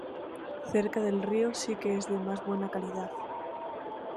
Cerca del río sí que es de más buena calidad.